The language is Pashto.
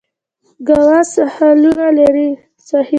ګوا ساحلونه لري.